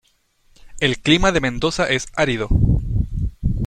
El clima de Mendoza es árido.